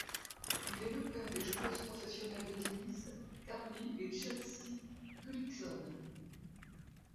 Il est le père des joueuses professionnelles de tennis Carly et Chelsey Gullickson.